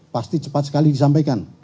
pasti cepat sekali disampaikan